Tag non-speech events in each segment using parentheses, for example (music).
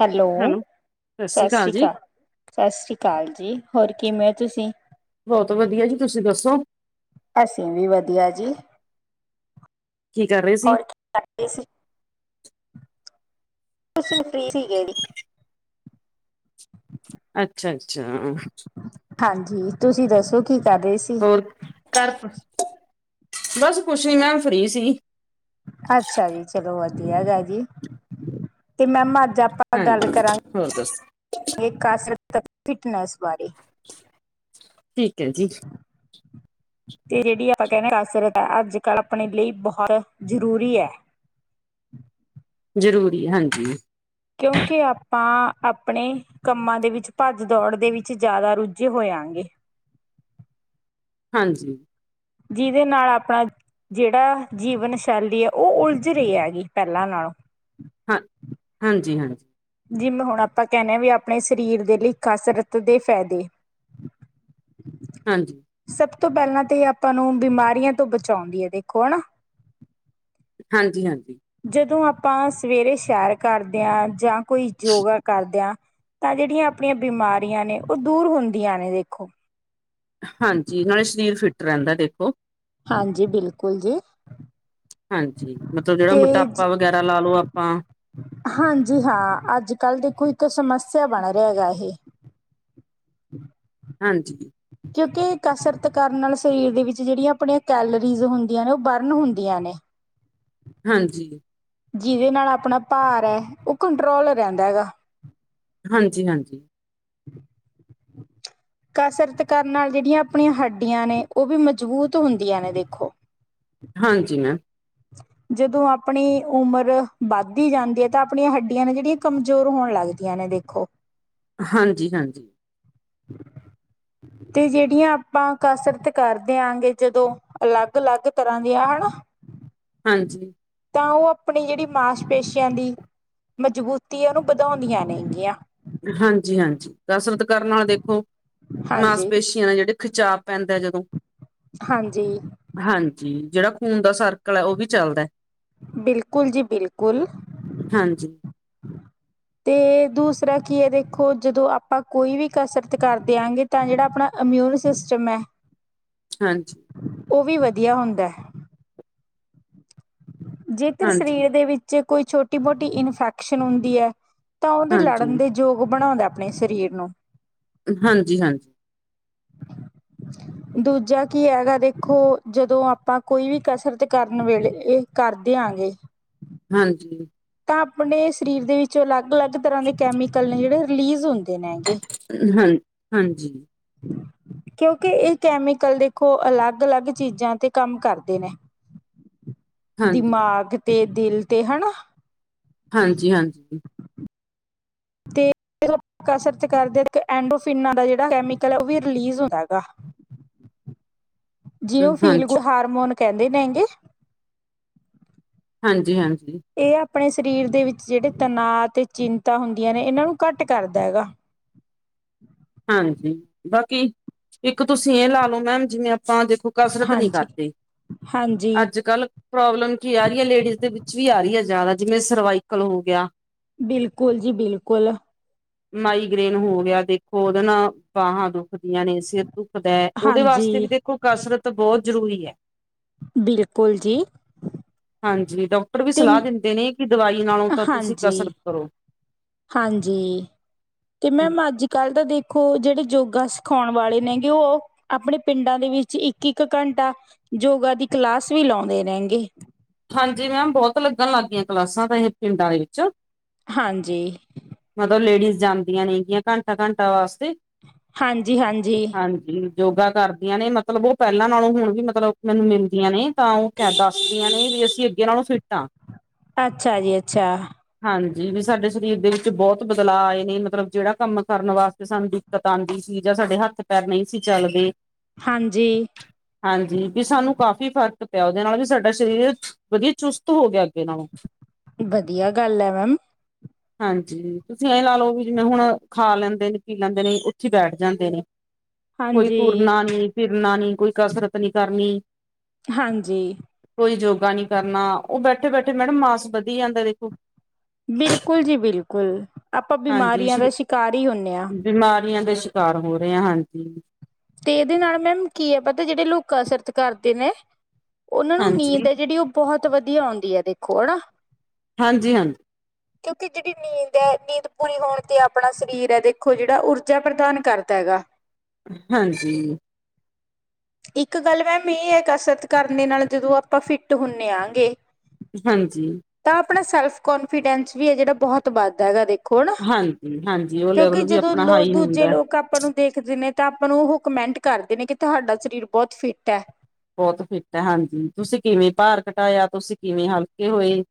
Hello, ਸਤਿ ਸ੍ਰੀ ਅਕਾਲ ਸਾਸਰੀ ਜੀ, ਕਾਲ। ਸੱਸਰੀ ਕਾਲ ਜੀ, ਹੋਰ ਕਿਵੇਂ ਹੋ ਤੁਸੀ? ਬਹੁਤ ਵਧੀਆ ਜੀ। ਤੁਸੀਂ ਦੱਸੋ? ਅਸੀਂ ਵੀ ਵਧੀਆ ਜੀ। ਕੀ ਕਰ ਰਹੇ ਸੀ? ਪੈ ਗਏ ਸੀ। ਅਸੀਂ ਫ੍ਰੀ ਸੀ ਗਏ ਜੀ। ਅੱਛਾ -ਅੱਛਾ। ਹਾਂਜੀ, ਤੁਸੀਂ ਦੱਸੋ ਕੀ ਕਰ ਰਹੇ ਸੀ? ਕਰ ਬਸ ਕੁੱਛ ਨੀ ਮੈਮ ਫਰੀ ਸੀ। ਅੱਛਾ ਜੀ ਚਲੋ ਵਧੀਆਗਾ ਜੀ, ਮੈਮ ਅੱਜ ਅਪ ਆਪਾਂ ਗੱਲ ਹਾਂਜੀ, ਹੋਰ ਦੱਸੋ ਕਰਾਂਗੇ ਕੇ ਕਸਰਤ ਫਿਟਨੈਸ ਬਾਰੇ। ਠੀਕ ਏ ਜੀ। ਤੇ ਜਿਹੜੀ ਆਪਾਂ ਕਹਿੰਨੇ ਕਸਰਤ ਆ ਅੱਜ- ਕੱਲ੍ਹ ਆਪਣੇ ਲਈ ਬਹੁਤ ਜਰੂਰੀ ਏ। ਜ਼ਰੂਰੀ ਹਾਂਜੀ। ਕਿਉਂਕਿ ਆਪਾਂ ਆਪਣੇ ਕੰਮਾਂ ਦੇ ਵਿੱਚ ਭੱਜ ਦੌੜ ਦੇ ਵਿੱਚ ਜ਼ਿਆਦਾ ਰੁੱਝੇ ਹੋਆਗੇ। ਹਾਂਜੀ। ਜਿਹਦੇ ਨਾਲ ਆਪਾਂ ਜਿਹੜਾ ਜੀਵਨ ਸ਼ੈਲੀ ਆ ਉਹ ਉਲਝ ਰਹੀ ਆ ਗੀ, ਪਹਿਲਾਂ ਨਾਲੋਂ। ਹਾਂ, ਹਾਂਜੀ -ਹਾਂਜੀ। ਜਿਵੇ ਹੁਣ ਆਪਾਂ ਕਹਿੰਣੇ ਆ ਵੀ ਆਪਣੇ ਸਰੀਰ ਦੇ ਲਈ ਕਸਰਤ ਦੇ ਫਾਇਦੇ। ਹਾਂਜੀ ਸਭ ਤੋਂ ਪਹਿਲਾਂ ਤੇ ਇਹ ਆਪਾਂ ਨੂੰ ਬਿਮਾਰੀਆਂ ਤੋਂ ਬਚਾਉਂਦੀ ਹੈ। ਦੇਖੋ ਹਨਾ। ਹਾਂਜੀ- ਹਾਂਜੀ। ਜਦੋਂ ਆਪਾਂ ਸਵੇਰੇ ਸੈਰ ਕਰਦੇ ਆ, ਜਾਂ ਕੋਈ ਯੋਗਾ ਕਰਦੇ ਆ ਤਾਂ ਜਿਹੜੀਆਂ ਆਪਣੀਆਂ ਬਿਮਾਰੀਆਂ ਨੇ ਉਹ ਦੂਰ ਹੁੰਦੀਆਂ ਨੇ ਦੇਖੋ। ਹਾਂਜੀ, ਨਾਲੇ ਸਰੀਰ ਫਿੱਟ ਰਹਿੰਦਾ ਦੇਖੋ। ਹਾਂਜੀ, ਬਿਲਕੁਲ ਜੀ। ਹਾਂਜੀ, ਮਤਲਬ ਜਿਹੜਾ ਤੇ ਮੋਟਾਪਾ ਵਗੈਰਾ ਲਾ ਲਉ, ਆਪਾਂ ਹਾਂਜੀ, ਹਾਂ ਅੱਜ ਕੱਲ੍ਹ ਦੇਖੋ ਇੱਕ ਸਮੱਸਿਆ ਬਣ ਰਿਹਾ ਗਾ ਇਹੇ। ਹਾਂਜੀ। ਕਿਉਕਿ, ਕਸਰਤ ਕਰਨ ਨਾਲ ਸਰੀਰ ਦੇ ਵਿੱਚ ਜਿੜੀਆ ਆਪਣੇ ਕੈਲਰੀਜ਼ ਹੁੰਦੀਆਂ ਨੇ, ਓ ਬਰਨ ਹੁੰਦੀਆਂ ਨੇ। ਹਾਂਜੀ। ਜਿਦੇ ਨਾਲ ਆਪਣਾ ਭਾਰ ਐਹ, ਓ ਕੰਟਰੋਲ ਹੋਜਾਦਾ ਹੈਗਾ। ਹਾਂਜੀ-ਹਾਂਜੀ। (inaudible) ਕਸਰਤ ਕਰਨ ਨਾਲ ਜਿੜੀਆਂ ਆਪਣੀ ਹੱਡੀਆਂ ਨੇ ਓਵੀ ਮਜ਼ਬੂਤ ਹੁੰਦੀਆਂ ਨੇ ਦੇਖੋ ਹਾਂਜੀ ਮੈਮ ਜਦੋਂ ਆਪਣੀ ਉਮਰ ਵੱਧਦੀ ਜਾਂਦੀ ਐ ਤਾਂ ਆਪਣੀ ਹੱਡੀਆਂ ਨੇ ਜਿੜੀ ਕਮਜ਼ੋਰ ਹੋਣ ਲੱਗਦੀਆਂ ਨੇ ਦੇਖੋ। ਹਾਂਜੀ-ਹਾਂਜੀ। ਤੇ ਜੇੜੀਆਂ ਆਪਾਂ ਕਸਰਤ ਕਰਦੇ ਆ ਗੇ ਜਦੋਂ ਅਲੱਗ-ਲੱਗ ਤਰਾਂ ਦੀਆਂ ਅਨਾ। ਹਾਂਜੀ। ਤਾਂ ਓ ਅਪਣੀ ਜੇੜੀ ਮਾਸ ਪੇਸ਼ੀਆਂ ਦੀ, ਮਜ਼ਬੂਤੀ ਓਨੂੰ ਵਧਾਉਂਦੀਆਂ ਨੇਗੀਆਂ। ਹਾਂਜੀ-ਹਾਂਜੀ, ਕਸਰਤ ਕਰਨ ਨਾਲ ਦੇਖੋ, ਹਾਂਜੀ ਮਾਸਪੇ ਜਿਵੇਂ ਜਿੜੇ ਖਿਚਾਵ ਪੈਂਦਾ ਜਦੋਂ। ਹਾਂਜੀ। ਹਾਂਜੀ, ਜਿੜਾ ਖੂਨ ਦਾ ਸਰਕਲ ਆ ਓ ਵੀ ਚੱਲਦਾ ਬਿਲਕੁਲ ਜੀ ਬਿਲਕੁਲ। ਹਾਂਜੀ। ਤੇ, ਦੂਸਰਾ ਕੀ ਐ ਦੇਖੋ, ਜਦੋਂ ਆਪਾਂ ਕੋਈ ਵੀ ਕਸਰਤ ਕਰਦੇ ਐਗੇ ਤਾਂ ਜੇੜਾ ਆਪਣਾ ੲਮਊਨ ਸਿਸਟਮ ਐ ਹਾਂਜੀ ਓਵੀ ਵਧੀਆ ਹੁੰਦੈ। ਜੇਕਰ ਸਰੀਰ ਹਾਂਜੀ ਦੇ ਵਿੱਚ ਕੋਈ ਛੋਟੀ-ਮੋਟੀ ਇਨਫੈਕਸ਼ਨ ਹੁੰਦੀ ਐ, ਤਾਂ ਓਦੇ ਲੜਨ ਹਾਂਜੀ ਦੇ ਜੋਗ ਬਣਾਉਂਦਾ ਆਪਣੇ ਸਰੀਰ ਨੂੰ। ਹਾਂਜੀ-ਹਾਂਜੀ। (inaudible) ਦੂਜਾ ਕੀ ਐਗਾ ਦੇਖੋ, ਜਦੋਂ ਆਪਾਂ ਕੋਈ ਵੀ ਕਸਰਤ ਕਰਨ ਵੇਲੇ, ਏ ਕਾਰਦੇਆਂਗੇ ਹਾਂਜੀ। ਤਾਂ ਆਪਣੇ ਸਰੀਰ ਦੇ ਵਿੱਚੋ ਲੱਗ-ਲੱਗ ਤਰਾਂ ਦੇ ਕੈਮੀਕਲ ਨੇ ਜਿੜੇ ਰਿਲੀਜ਼ ਹੁੰ ਜੇ ਨੈਗੇ ਹਾਂ ਹਾਂਜੀ ਕਓਕਿ ਏ ਕੈਮੀਕਲ ਦੇਖੋ ਅਲੱਗ ਲੱਗ ਚੀਜ਼ਾਂ ਤੇ ਕੰਮ ਕਰਦੇ ਨੇ ਹਾਂਜੀ ਦਿਮਾਗ ਤੇ ਦਿਲ ਤੇ ਹਣਾ ਹਾਂਜੀ-ਹਾਂਜੀ। ਤੇ, ਮਤਲਬ ਕਸਰਤ ਕਰਦੇ ਦੇਖੇਓ ੲੈਡਓਫ ਇਨਾ ਦਾ ਜਿੜਾ ਕੈਮਿਕਲ ਆ ਓ ਵੀ ਜਿੜਾ ਰਿਲੀਜ਼ ਹੁੰਦਾ ਗਾ। ਜਿਯੁ ਫੀਲ ਗੁ ਹਾਂਜੀ ਹਾਰਮੋਨ ਕੈੰਦੇ ਨੈ ਗੇ ਹਾਂਜੀ-ਹਾਂਜੀ। ਏ ਆਪਣੇ ਸਰੀਰ ਦੇ ਵਿੱਚ ਜਿੜੇ ਤਣਾਅ ਤੇ ਚਿੰਤਾ ਹੁੰਦੀਆਂ ਨੇ, ਏਨਾਂ ਨੂੰ ਘੱਟ ਕਰਦਾ ਹੈਗਾ। ਹਾਂਜੀ, ਬਾਕੀ ਇੱਕ ਤੁਸੀਂ ਏ ਲਾਲੋ ਮੈਮ ਜਿਵੇਂ ਆਪਾਂ ਦੇਖੋ ਕਸਰਤ ਨੀ ਹਾਂਜੀ ਕਾਰਦੇ, ਹਾਂਜੀ ਅੱਜ-ਕਲ ਪ੍ਰੋਬਲਮ ਕੀ ਆ ਰੀ ਐ ਲੇਡੀਜ਼ ਦੇ ਵਿੱਚ ਵੀ ਆ ਰੀ ਐ ਜਾਦਾ, ਜਿਵੇਂ ਸਰਵਾਈਕਲ ਹੋ ਗੇਆ ਬਿਲਕੁਲ ਜੀ, ਬਿਲਕੋਲ ਮਾਈਗ੍ਰੇਨ ਹੋ ਗਿਆ। ਦੇਖੋ ਓਦੇ ਨਾ, ਬਾਹਾਂ ਦੁਖਦੀਆਂ ਨੇ, ਸਿਰ ਦੁੱਖ ਦਾ, ਉਹਦੇ ਵਾਸਤੇ ਹਾਂਜੀ ਵੀ ਦੇਖੋ, ਕਸਰਤ ਬਹੁਤ ਜ਼ਰੂਰੀ ਐ। ਬਿਲਕੁਲ ਜੀ। ਹਾਂਜੀ। ਡਾਕਟਰ ਵੀ ਤੇ ਸਲਾਹ ਦਿੰਦੇ ਨੇ ਕਿ ਦਵਾਈ ਨਾਲੋਂ ਤਾਂ ਤੁਸੀਂ ਹਾਂਜੀ ਕਸਰਤ ਕਰੋ। ਹਾਂਜੀ। ਤੇ ਮੈਮ ਅੱਜ-ਕੱਲ੍ਹ ਤਾਂ ਦੇਖੋ, ਜਿਹੜੇ ਯੋਗਾ ਸਿਖਾਉਣ ਵਾਲੇ ਨੇਗੇ ਉਹ ਆਪਣੇ ਪਿੰਡਾਂ ਦੇ ਵਿੱਚ ਇੱਕ-ਇੱਕ ਘੰਟਾ ਯੋਗਾ ਦੀ ਕਲਾਸ ਵੀ ਲਾਉਂਦੇ ਨੇਗੇ। ਹਾਂਜੀ ਮੈਮ, ਬਹੁਤ ਲੱਗਣ ਲੱਗ ਗੀਆਂ ਕਲਾਸਾਂ ਤਾਂ ਇਹ ਪਿੰਡਾਂ ਦੇ ਵਿੱਚ। ਹਾਂਜੀ। ਮਤਬ, ਲੇਡੀਜ਼ ਜਾਂਦੀਆਂ ਨੇ ਗੀਆਂ। ਘੰਟਾ-ਘੰਟਾ ਵਾਸਤੇ ਹਾਂਜੀ-ਹਾਂਜੀ। ਹਾਂਜੀ, ਯੋਗਾ ਕਰਦੀਆਂ ਨੇ। ਮਤਲਬ ਉਹ ਪਹਿਲਾਂ ਨਾਲੋਂ ਹੁਣ ਵੀ ਮਤਲਬ, ਮੈਨੂੰ ਮਿਲਦੀਆਂ ਨੇ, ਤਾਂ ਉਹ ਕਹਿ ਦੱਸਦੀਆਂ ਨੇ। ਵੀ ਅਸੀਂ ਅੱਗੇ ਨਾਲੋ ਫਿੱਟ ਆ। ਅੱਛਾ ਜੀ ਅੱਛਾ। ਹਾਂਜੀ। ਵੀ ਸਾਡੇ ਸਰੀਰ ਦੇ ਵਿੱਚ ਬਹੁਤ ਬਦਲਾਅ ਆਏ ਨੇ। ਮਤਲਬ ਜਿਹੜਾ ਕੰਮ ਕਰਨ ਵਾਸਤੇ ਸਾਨੂੰ ਦੂ ਪਤਾਂਦੀ ਸੀ ਜਾਂ ਸਾਡੇ ਹੱਥ ਪੈਰ ਨਹੀਂ ਸੀ ਚੱਲਦੇ ਹਾਂਜੀ। ਹਾਂਜੀ, ਪੀ ਸਾਨੂੰ ਕਾਫ਼ੀ ਫ਼ਰਕ ਪਿਆ ਉਹਦੇ ਨਾਲ। ਵੀ ਸਾਡਾ ਸਰੀਰ ਵਧੀਆ ਚੁਸਤ ਹੋ ਗਿਆ ਅੱਗੇ ਨਾਲੋਂ। ਵਧੀਆ ਗੱਲ ਐ, ਮੈਮ। ਹਾਂਜੀ। ਤੁਸੀਂ ਐਂ ਲਾ ਲੋ। ਵੀ ਜਿਵੇਂ ਹੁਣ, ਖਾ ਲੈਂਦੇ ਨੇ, ਪੀ ਲੈਂਦੇ ਨੇ, ਉੱਥੇ ਬੈਠ ਜਾਂਦੇ ਨੇ। ਕੋਈ ਹਾਂਜੀ ਤੁਰਨਾ ਨੀ, ਫਿਰਨਾ ਨੀ, ਕੋਈ ਕਸਰਤ ਨੀ ਕਰਨੀ। ਹਾਂਜੀ। ਕੋਈ ਯੋਗਾ ਨੀ ਕਰਨਾ। ਉਹ ਬੈਠੇ-ਬੈਠੇ ਮੈਡਮ ਮਾਸ ਵਧੀ ਜਾਂਦਾ ਵੇਖੋ। ਬਿਲਕੁੱਲ ਜੀ ਬਿਲਕੁੱਲ। ਆਪਾਂ ਹਾਂਜੀ ਬਿਮਾਰੀਆਂ ਦਾ ਸ਼ਰੀ ਸ਼ਿਕਾਰ ਈ ਹੁੰਨੇ ਆ। ਬਿਮਾਰੀਆਂ ਦੇ ਸ਼ਿਕਾਰ ਹੋ ਰਹੇ ਆ, ਹਾਂਜੀ। ਤੇ ਇਹਦੇ ਨਾਲ ਮੈਮ ਕੀ ਐ। ਪਤਾ ਜਿਹੜੇ ਲੋਕ ਕਸਰਤ ਕਰਦੇ ਨੇ ਉਹਨਾਂ ਨੂੰ ਨੀਂਦ ਹਾਂਜੀ ਐ ਜਿਹੜੀ, ਉਹ ਬਹੁਤ ਵਧੀਆ ਆਉਂਦੀ ਐ, ਦੇਖੋ ਹਨਾ। ਹਾਂਜੀ-ਹਾਂਜੀ। (inaudible) ਕਿਉਂਕਿ, ਜਿਹੜੀ ਨੀਂਦ ਐ। ਨੀਂਦ ਪੂਰੀ ਹੋਣ ਤੇ ਆਪਣਾ ਸਰੀਰ ਐ। ਦੇਖੋ ਜਿਹੜਾ, ਊਰਜਾ ਪ੍ਰਦਾਨ ਕਰਦਾ ਹੈਗਾ। ਹਾਂਜੀ। ਇੱਕ ਗੱਲ ਮੈਮ ਇਹ ਐ। ਕਸਰਤ ਕਰਨ ਦੇ ਨਾਲ ਜਦੋਂ ਆਪਾਂ ਫਿੱਟ ਹੁੰਦੇ ਆਗੇ ਹਾਂਜੀ। ਤਾਂ ਆਪਣਾ ਸੈਲਫ਼ ਕੌਨਫੀਡੈਂਸ ਵੀ ਐ, ਜਿਹੜਾ ਬਹੁਤ ਵੱਧਦਾ ਹੈਗਾ ਦੇਖ ਕੌਣ। ਹਾਂਜੀ, ਹਾਂਜੀ ਉਹ ਕਿਉਂਕਿ, ਲੈਵਲ ਵੀ ਜਦੋਂ ਆਪਣਾ ਲੋਗ ਹਾਈ ਦੂਜੇ ਹੁੰਦਾ। ਲੋਕ ਆਪਾਂ ਨੂੰ ਦੇਖਦੇ ਨੇ ਤਾਂ ਆਪਾਂ ਨੂੰ ਉਹ ਕਮੈਂਟ ਕਰਦੇ ਨੇ। ਕਿ ਤੁਹਾਡਾ ਸਰੀਰ ਬਹੁਤ ਫਿੱਟ ਐ। ਬਹੁਤ ਫਿੱਟ ਐ, ਹਾਂਜੀ। ਤੁਸੀਂ ਕਿਵੇਂ ਭਾਰ ਘਟਾਇਆ। ਤੁਸੀਂ ਕਿਵੇਂ ਹਲਕੇ ਹੋਏ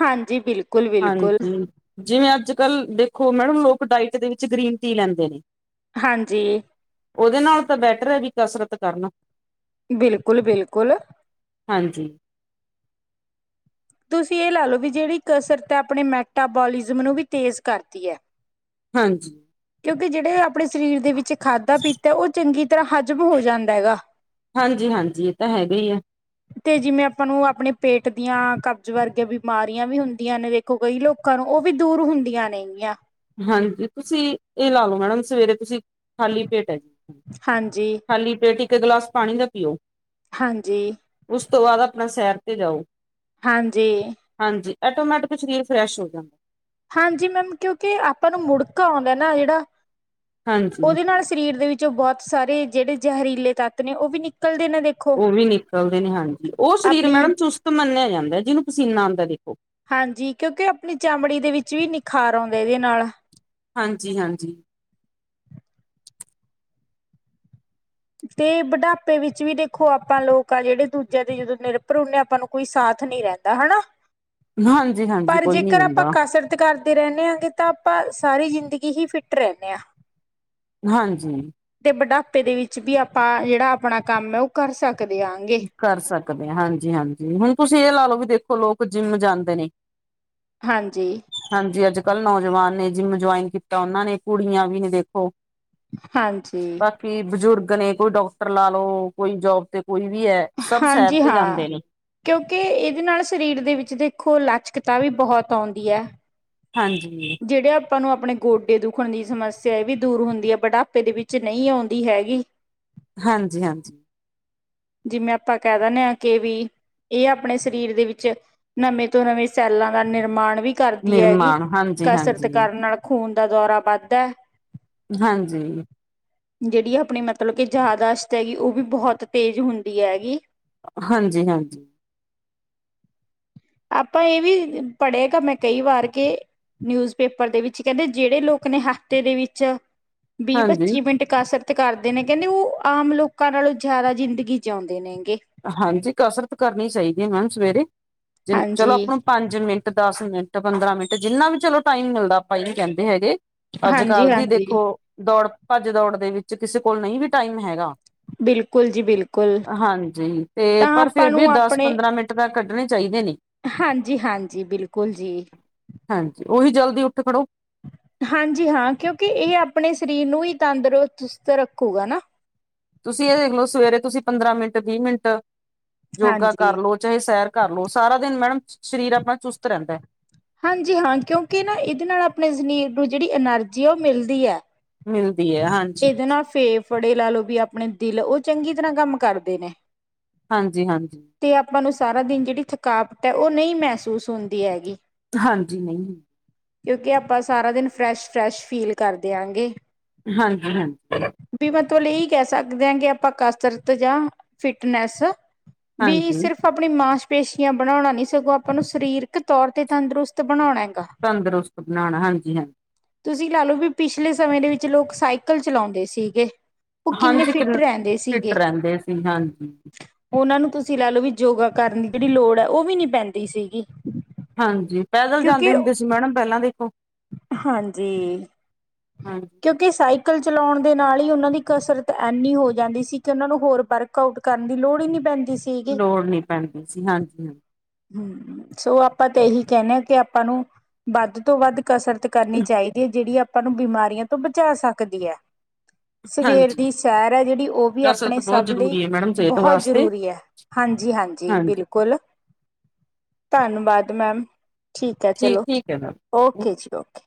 ਹਾਂਜੀ। ਬਿਲਕੁਲ-ਬਿਲਕੁਲ। ਹਾਂਜੀ। ਜਿਵੇਂ ਅੱਜ-ਕੱਲ੍ਹ ਦੇਖੋ ਮੈਡਮ, ਲੋਕ ਡਾਇਟ ਦੇ ਵਿੱਚ ਗ੍ਰੀਨ ਟੀ ਲੈਂਦੇ ਨੇ ਹਾਂਜੀ। ਉਹਦੇ ਨਾਲ ਤਾਂ ਬੈਟਰ ਐ ਵੀ ਕਸਰਤ ਕਰਨਾ। ਬਿਲਕੁੱਲ-ਬਿਲਕੁੱਲ। ਹਾਂਜੀ। ਤੁਸੀਂ ਇਹ ਲਾ ਲੋ ਵੀ। ਜਿਹੜੀ ਕਸਰਤ ਐ ਆਪਣੇ ਮੈਟਾਬੋਲਿਜ਼ਮ ਨੂੰ ਵੀ ਤੇਜ਼ ਕਰਦੀ ਐ। ਹਾਂਜੀ। ਕਿਉਂਕਿ ਜਿਹੜੇ ਆਪਣੇ ਸਰੀਰ ਦੇ ਵਿੱਚ ਖਾਧਾ ਪੀਤਾ ਉਹ ਚੰਗੀ ਤਰ੍ਹਾਂ ਹਜ਼ਮ ਹੋ ਜਾਂਦਾ ਹੈਗਾ। ਹਾਂਜੀ-ਹਾਂਜੀ ਇਹ ਤਾਂ ਹੈਗਾ ਈ ਆ। ਤੇ ਜਿਵੇਂ ਆਪਾਂ ਨੂੰ ਆਪਣੇ ਪੇਟ ਦੀਆਂ ਕਬਜ਼ ਵਰਗੀਆ ਬਿਮਾਰੀਆਂ ਵੀ ਹੁੰਦੀਆਂ ਨੇ ਦੇਖ ਕਈ ਲੋਕਾਂ ਨੂੰ ਉਹ ਵੀ ਦੂਰ ਹੁੰਦੀਆਂ ਨੇਗੀਆਂ। ਹਾਂਜੀ ਤੁਸੀਂ ਇਹ ਲਾ ਲਓ ਮੈਡਮ ਸਵੇਰੇ ਤੁਸੀਂ ਖਾਲੀ ਪੇਟ ਏ, ਹਾਂਜੀ, ਖਾਲੀ ਪੇਟ ਇੱਕ ਗਲਾਸ ਪਾਣੀ ਦਾ ਪੀਓ। ਹਾਂਜੀ ਉਸ ਤੋਂ ਬਾਅਦ ਆਪਣਾ ਸੈਰ ਤੇ ਜਾਓ। ਹਾਂਜੀ। ਹਾਂਜੀ ਐਟੋਮੈਟਿਕ ਸਰੀਰ ਫਰੈਸ਼ ਹੋ ਜਾਂਦਾ। ਹਾਂਜੀ ਮੈਮ ਕਿਉਂਕਿ ਆਪਾਂ ਨੂੰ ਮੁੜਕਾ ਆਉਂਦਾ ਨਾ ਜਿਹੜਾ, ਹਾਂਜੀ। ਉਹਦੇ ਨਾਲ ਸਰੀਰ ਦੇ ਵਿੱਚ ਵਿੱਚ ਬਹੁਤ ਸਾਰੇ ਜਿਹੜੇ ਜ਼ਹਿਰੀਲੇ ਤੱਤ ਨੇ ਉਹ ਵੀ ਨਿਕਲਦੇ ਨੇ। ਦੇਖੋ। ਉਹ ਵੀ ਨਿਕਲਦੇ ਨੇ ਹਾਂਜੀ, ਉਹ ਸਰੀਰ ਆਪਣੀ ਮੈਡਮ ਚੁਸਤ ਮੰਨਿਆ ਜਾਂਦਾ ਜਿਹਨੂੰ ਪਸੀਨਾ ਆਂਦਾ ਦੇਖੋ। ਹਾਂਜੀ ਕਿਉਂਕਿ ਆਪਣੀ ਚਮੜੀ ਦੇ ਵਿੱਚ ਵੀ ਨਿਖਾਰ ਆਉਂਦਾ ਇਹਦੇ ਨਾਲ। ਹਾਂਜੀ-ਹਾਂਜੀ। ਤੇ ਬੁਢਾਪੇ ਵਿੱਚ ਵੀ ਦੇਖੋ ਆਪਾਂ ਲੋਕ ਆ ਜਿਹੜੇ ਦੂਜਿਆਂ ਦੇ ਜਦੋਂ ਨਿਰਭਰ ਹੁੰਦੇ ਆਪਾਂ ਨੂੰ ਕੋਈ ਸਾਥ ਨਹੀਂ ਹਨਾ, ਹਾਂਜੀ ਹਾਂਜੀ ਪਰ ਕੋਈ ਨੀ ਜੇਕਰ ਆਪਾਂ ਦਿੰਦਾ ਕਸਰ ਰਤ ਕਰਦੇ ਰਹਿੰਨੇ ਆਗੇ ਤਾਂ ਆਪਾਂ ਸਾਰੀ ਜ਼ਿੰਦਗੀ ਹੀ ਫਿੱਟ ਰਹਿੰਨੇ ਆ। ਹਾਂਜੀ। ਤੇ ਬੁਢਾਪੇ ਦੇ ਵਿੱਚ ਵੀ ਆਪਾਂ ਜਿਹੜਾ ਆਪਣਾ ਕੰਮ ਏ ਉਹ ਕਰ ਸਕਦੇ ਆਗੇ। ਕਰ ਸਕਦੇ ਆ ਹਾਂਜੀ-ਹਾਂਜੀ ਹੁਣ ਤੁਸੀਂ ਇਹ ਲਾ ਲਓ ਵੀ ਦੇਖੋ ਲੋਕ ਜਿੰਮ ਜਾਂਦੇ ਨੇ- ਹਾਂਜੀ। ਹਾਂਜੀ ਅੱਜਕੱਲ੍ਹ ਨੌਜਵਾਨ ਨੇ ਜਿੰਮ ਜੁਆਇਨ ਕੀਤਾ ਉਹਨਾਂ ਨੇ ਕੁੜੀਆਂ ਵੀ ਨੇ ਦੇਖੋ ਹਾਂਜੀ। ਕਿ ਬਜ਼ੁਰਗ ਨੇ ਕੋਈ ਡਾਕਟਰ ਲਾ ਲੋ ਕੋਈ ਜੋਬ ਤੇ ਕੋਈ ਵੀ ਐ ਹਾਂਜੀ ਹਾਂ। ਕਿਉਂਕਿ ਇਹਦੇ ਨਾਲ ਸਰੀਰ ਦੇ ਵਿੱਚ ਦੇਖੋ ਲਚਕਤਾ ਵੀ ਬਹੁਤ ਆਉਂਦੀ ਏ। ਹਾਂਜੀ। ਜਿਹੜੇ ਆਪਾਂ ਨੂੰ ਆਪਣੇ ਗੋਡੇ ਦੁੱਖਣ ਦੀ ਸਮੱਸਿਆ ਇਹ ਵੀ ਦੂਰ ਹੁੰਦੀ ਆ ਬੁਢਾਪੇ ਦੇ ਵਿੱਚ ਨਹੀਂ ਆਉਂਦੀ ਹੈਗੀ। ਹਾਂਜੀ-ਹਾਂਜੀ। ਜਿਵੇਂ ਆਪਾਂ ਕਹਿ ਦਿੰਨੇ ਆ ਕਿ ਵੀ ਇਹ ਆਪਣੇ ਸਰੀਰ ਦੇ ਵਿੱਚ, ਨਵੇਂ ਤੋਂ ਨਵੇਂ ਸੈਲਾਂ ਦਾ ਨਿਰਮਾਣ ਵੀ ਕਰਦੀ ਹੈਗੀ, ਨਿਰਮਾਣ ਹਾਂਜੀ ਕਸਰਤ ਹਾਂਜੀ ਕਰਨ ਨਾਲ ਖੂਨ ਦਾ ਦੌਰਾ ਵੱਧਦਾ। ਹਾਂਜੀ। ਜਿਹੜੀ ਆਪਣੇ ਮਤਲਬ ਕੇ ਯਾਦਾਸ਼ਤ ਐਗੀ ਉਹ ਵੀ ਬਹੁਤ ਤੇਜ਼ ਹੁੰਦੀ ਐਗੀ। ਹਾਂਜੀ-ਹਾਂਜੀ। (inaudible) ਆਪਾਂ ਇਹ ਵੀ ਪੜ੍ਹੇਗਾ ਮੈਂ ਕਈ ਵਾਰ ਕਿ ਨਿਊਜ਼ ਪੇਪਰ ਦੇ ਵਿੱਚ ਕਹਿੰਦੇ ਜਿਹੜੇ ਲੋਕ ਨੇ ਹਫਤੇ ਦੇ ਵਿੱਚ ਵੀਹ ਹਾਂਜੀ ਪੱਚੀ ਮਿੰਟ ਕਸਰਤ ਕਰਦੇ ਨੇ ਕਹਿੰਦੇ ਉਹ ਆਮ ਲੋਕਾਂ ਨਾਲੋਂ ਜ਼ਿਆਦਾ ਜ਼ਿੰਦਗੀ ਜਿਉਂਦੇ ਨੇਗੇ। ਹਾਂਜੀ ਕਸਰਤ ਕਰਨੀ ਚਾਹੀਦੀ ਏ ਮੈਮ ਸਵੇਰੇ, ਚਲੋ ਹਾਂਜੀ, ਆਪਣਾ ਪੰਜ ਮਿੰਟ, ਦਸ ਮਿੰਟ, ਪੰਦਰਾਂ ਮਿੰਟ ਜਿੰਨਾ ਵੀ ਚਲੋ ਟਾਈਮ ਮਿਲਦਾ ਆਪਾਂ ਇਹ ਨੀ ਕਹਿੰਦੇ ਹੈਗੇ ਹਾਂਜੀ, ਅੱਜਕੱਲ ਦੀ ਹਾਂਜੀ ਦੇਖੋ, ਦੌੜ ਭੱਜ ਦੌੜ ਦੇ ਵਿੱਚ ਕਿਸੇ ਕੋਲ ਨਹੀਂ ਵੀ ਟਾਈਮ ਹੈਗਾ ਬਿਲਕੁਲ ਜੀ ਬਿਲਕੁਲ। ਜੀ ਤੇ ਤਾਂ ਪਰ ਆਪਾਂ ਫਿਰ ਵੀ ਨੂੰ ਦਸ ਪੰਦਰਾਂ ਮਿੰਟ ਤਾਂ ਕੱਢਣੇ ਚਾਈਦੇ ਨੇ। ਹਾਂਜੀ- ਹਾਂਜੀ ਬਿਲਕੁਲ ਜੀ। ਹਾਂਜੀ ਉਹੀ ਜਲਦੀ ਉੱਠ ਖੜੋ। ਹਾਂਜੀ ਹਾਂ ਕਿਉਂਕਿ ਇਹ ਆਪਣੇ ਸ਼ਰੀਰ ਨੂੰ ਹੀ ਤੰਦਰੁਸਤ ਰੱਖੂਗਾ ਨਾ। ਤੁਸੀਂ ਇਹ ਦੇਖ ਲਓ ਸਵੇਰੇ ਤੁਸੀਂ ਪੰਦਰਾਂ ਮਿੰਟ, ਵੀਹ ਮਿੰਟ ਯੋਗਾ ਹਾਂਜੀ। ਕਰ ਲਓ ਚਾਹੇ ਸੈਰ ਕਰ ਲਓ, ਸਾਰਾ ਦਿਨ ਮੈਡਮ ਸਰੀਰ ਆਪਣਾਂ ਚੁਸਤ ਰਹਿੰਦਾ। ਹਾਂਜੀ ਹਾਂ, ਕਿਉਂਕਿ ਨਾ ਇਹਦੇ ਨਾਲ ਆਪਣੇ ਸਨੀਰ ਨੂੰ ਜਿਹੜੀ ਐਨਰਜੀ ਆ ਉਹ ਮਿਲਦੀ ਆ। ਮਿਲਦੀ ਆ, ਹਾਂਜ ਇਹਦੇ ਨਾਲ ਫੇਫੜੇ ਲਾ ਲਓ ਵੀ ਆਪਣੇ ਦਿਲ ਉਹ ਚੰਗੀ ਤਰ੍ਹਾਂ ਕੰਮ ਕਰਦੇ ਨੇ। ਹਾਂਜੀ- ਹਾਂਜੀ। ਤੇ ਆਪਾਂ ਨੂੰ ਸਾਰਾ ਦਿਨ ਜਿਹੜੀ ਥਕਾਵਟ ਐ, ਉਹ ਨਈ ਮਹਿਸੂਸ ਹੁੰਦੀ ਹੈਗੀ। ਹਾਂਜੀ ਨਹੀ। ਕਿਉਂਕਿ ਆਪਾਂ ਸਾਰਾ ਦਿਨ ਫਰੈਸ਼- ਫਰੈਸ਼ ਫੀਲ ਕਰਦੇ ਹੈਗੇ। ਹਾਂਜੀ- ਹਾਂਜੀ। ਵੀ ਮਤਲਬ ਇਹੀ ਕਹਿ ਸਕਦੇ ਆ ਕਿ ਆਪਾਂ ਕਸਰਤ ਜਾਂ ਫਿਟਨੈਸ ਵੀ ਹਾਂਜੀ ਸਿਰਫ ਆਪਣੀ ਮਾਸਪੇਸ਼ੀਆਂ ਬਣਾਉਣਾ ਨੀ, ਸਗੋਂ ਆਪਾਂ ਨੂੰ ਸਰੀਰਕ ਤੌਰ ਤੇ ਤੰਦਰੁਸਤ ਬਣਾਉਣਾ ਹੈਗਾ। ਤੰਦਰੁਸਤ ਬਣਾਣਾ ਹਾਂਜੀ- ਹਾਂਜੀ। ਤੁਸੀਂ ਲਾ ਲਓ ਵੀ ਪਿਛਲੇ ਸਮੇਂ ਦੇ ਵਿੱਚ ਲੋਕ ਸਾਈਕਲ ਚਲਾਉਂਦੇ ਸੀਗੇ ਉਹ ਕਿੰਨੇ ਹਾਂਜੀ ਫਿੱਟ ਕਿਨ ਰਹਿੰਦੇ ਫਿੱਟ ਸੀਗੇ। ਰਹਿੰਦੇ ਸੀ, ਹਾਂਜੀ। ਉਹਨਾਂ ਨੂੰ ਤੁਸੀਂ ਲਾ ਲਓ ਵੀ ਯੋਗਾ ਕਰਨ ਦੀ ਜਿਹੜੀ ਲੋੜ ਐ ਉਹ ਵੀ ਨੀ ਪੈਂਦੀ ਸੀਗੀ। ਹਾਂਜੀ, ਪੈਦਲ ਜਾਂਦੇ ਕਿਉਂਕਿ ਹੁੰਦੇ ਸੀ ਮੈਡਮ ਪਹਿਲਾਂ ਦੇਖੋ। ਹਾਂਜੀ। ਹਾਂਜੀ ਕਿਉਂਕਿ ਸਾਈਕਲ ਚਲਾਉਣ ਦੇ ਨਾਲ ਈ ਉਹਨਾਂ ਦੀ ਕਸਰਤ ਐੰਨੀ ਹੋ ਜਾਂਦੀ ਸੀ ਕਿ ਉਹਨਾਂ ਨੂੰ ਹੋਰ ਵਰਕ -ਆਊਟ ਕਰਨ ਦੀ ਲੋੜ ਹੀ ਨੀ ਪੈਂਦੀ ਸੀ। ਲੋੜ ਨੀ ਪੈਂਦੀ ਸੀ, ਹਾਂਜੀ-ਹਾਜੀ। ਹੂੰ ਸੋ ਆਪਾਂ ਤਾਂ ਇਹੀ ਕਹਿੰਣੇ ਆ, ਕਿ ਆਪਾਂ ਨੂੰ ਵੱਧ ਤੋਂ ਵੱਧ ਕਸਰਤ ਕਰਨੀ ਚਾਹੀਦੀ ਹੈ ਜਿਹੜੀ ਆਪਾਂ ਨੂੰ ਬਿਮਾਰੀਆਂ ਤੋਂ ਬਚਾ ਸਕਦੀ ਐ। ਸਵੇਰ ਹਾਂਜੀ ਦੀ ਸੈਰ ਹੈ ਜਿਹੜੀ ਉਹ ਵੀ ਕਸਰਤ ਆਪਣੇ ਬਹੁਤ ਸਭ ਲਈ ਜ਼ਰੂਰੀ ਹੈ ਮੈਡਮ ਸਿਹਤ ਬਹੁਤ ਵਾਸਤੇ ਜ਼ਰੂਰੀ ਐ, ਹਾਂਜੀ- ਹਾਂਜੀ ਬਿਲਕੁਲ। ਧੰਨਵਾਦ ਮੈਮ ਠੀਕ ਐ ਚਲੋ, ਠੀਕ ਹੈ ਮੈਮ ਓਕੇ ਜੀ ਓਕੇ।